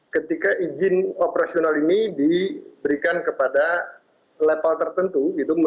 ketika izin operasional ini diberikan kepada level tertentu